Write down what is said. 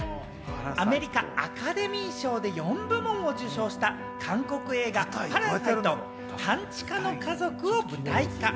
アメリカ・アカデミー賞で４部門を受賞した韓国映画『パラサイト半地下の家族』を舞台化。